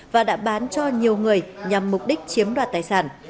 và đã bán cho nhiều người nhằm mục đích chiếm đoạt tài sản